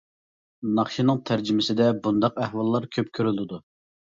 ناخشىنىڭ تەرجىمىسىدە بۇنداق ئەھۋاللار كۆپ كۆرۈلىدۇ.